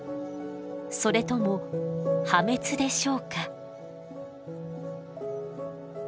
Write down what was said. それとも破滅でしょうか？